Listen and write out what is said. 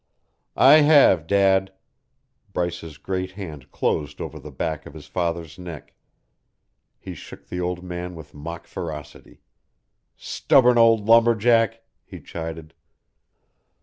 "I have, Dad." Bryce's great hand closed over the back of his father's neck; he shook the old man with mock ferocity. "Stubborn old lumberjack!" he chided.